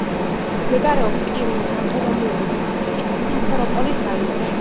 მდებარეობს ყირიმის ავტონომიური რესპუბლიკის სიმფეროპოლის რაიონში.